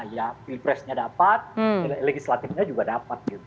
ya pilpres nya dapat legislatifnya juga dapat gitu